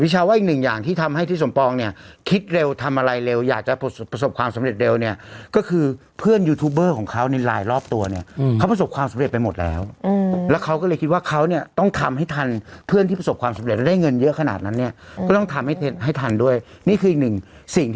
ใช่อย่างที่น้องมินบอกว่าเวลาขึ้นไปแล้วถ้าคนแออัดขนาดนี้รีบไหว้รีบลง